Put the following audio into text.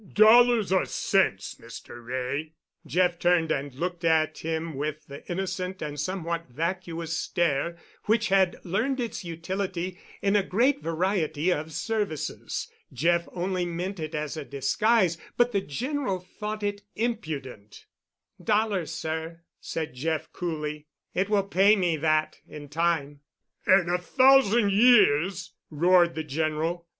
"Dollars or cents, Mr. Wray?" Jeff turned and looked at him with the innocent and somewhat vacuous stare which had learned its utility in a great variety of services. Jeff only meant it as a disguise, but the General thought it impudent. "Dollars, sir," said Jeff coolly. "It will pay me that—in time." "In a thousand years," roared the General.